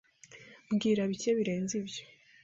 Mbwira bike birenze ibyo.